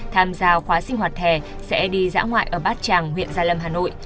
tham gia khóa sinh hoạt hè sẽ đi dã ngoại ở bát tràng huyện gia lâm hà nội